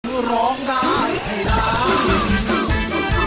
เพื่อร้องได้ให้ร้อง